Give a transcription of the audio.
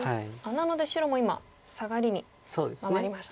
なので白も今サガリに回りました。